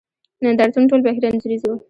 نند ارتون ټول بهیر انځوریز وو.